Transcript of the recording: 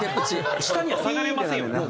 下には下がれませんよね。